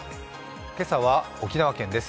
今朝は沖縄県です。